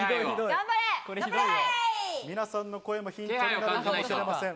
皆さんの声もヒントになるかもしれません。